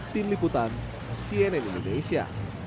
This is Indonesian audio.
tim liputan cnn indonesia